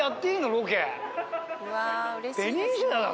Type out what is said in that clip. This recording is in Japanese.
ロケ。